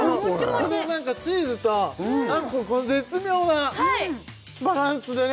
このなんかチーズとあんこの絶妙なバランスでね